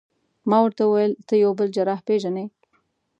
ما ورته وویل: ته یو بل جراح پېژنې؟